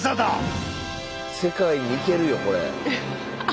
世界に行けるよこれ。